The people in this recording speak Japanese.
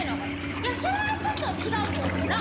「いやそらあちょっと違うと思うな」。